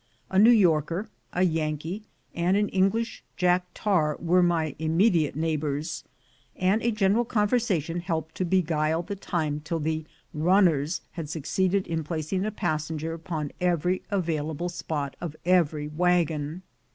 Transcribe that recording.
A New Yorker, a Yankee, and an English Jack tar were my immediate neighbors, and a general conversation helped to beguile the time till the "runners" had succeeded in placing a passenger upon every available spot of every wagon.